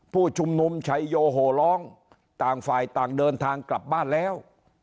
ผู้ชุมนุมชัยโยโหร้องต่างฝ่ายต่างเดินทางกลับบ้านแล้ว